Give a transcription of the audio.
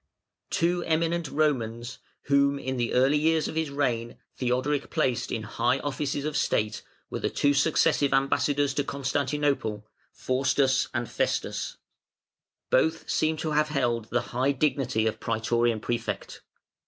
] Two eminent Romans, whom in the early years of his reign Theodoric placed in high offices of state, were the two successive ambassadors to Constantinople, Faustus and Festus. Both seem to have held the high dignity of Prætorian Prefect.